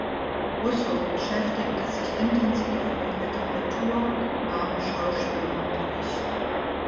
Russo beschäftigte sich intensiv mit Literatur und nahm Schauspielunterricht.